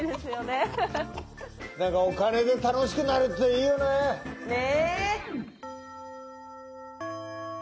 なんかお金で楽しくなるっていいよね。ね。